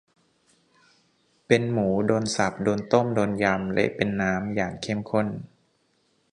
เป็นหมู โดนสับ โดนต้ม โดนยำ เละเป็นน้ำ อย่างเข้มข้น